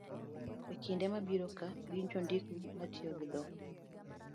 e kinde mabiro ka gin jondiko ma tiyo gi dho